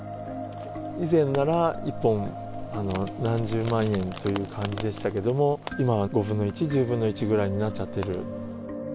以前なら、１本何十万円という感じでしたけれども、今は５分の１、１０分の１ぐらいになっちゃってる。